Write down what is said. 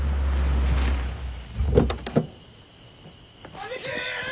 兄貴！